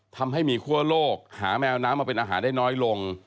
ทำให้มีคั่วโลกหาแมวน้ำมาเป็นอาหารได้น้อยลง